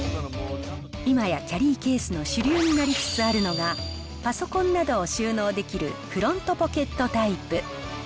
今やキャリーケースの主流になりつつあるのが、パソコンなどを収納できるフロントポケットタイプ。